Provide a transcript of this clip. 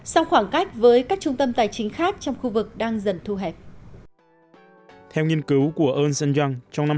song khoảng cách với các trung tâm tài chính khác trong khu vực đang dần thu hẹp